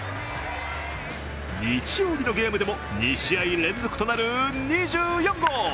日曜日のゲームでも２試合連続となる２４号。